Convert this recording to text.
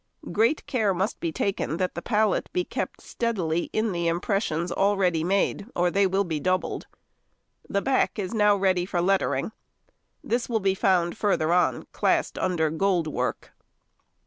Great care must be taken that the pallet be kept steadily in the impressions already made, or they will be doubled. The back is now ready for lettering. This will be found further on, classed under gold work.